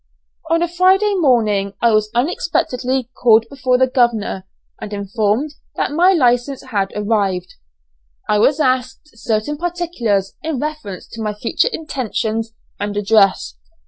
On a Friday morning I was unexpectedly called before the governor, and informed that my license had arrived. I was asked certain particulars in reference to my future intentions and address.